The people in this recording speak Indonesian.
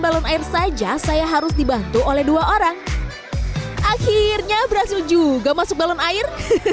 balon air saja saya harus dibantu oleh dua orang akhirnya berhasil juga masuk balon air